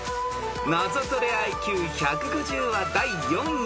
［ナゾトレＩＱ１５０は第４位］